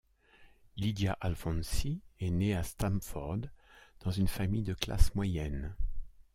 Lydia Alfonsi est née à Stamford dans une famille de classe moyenne.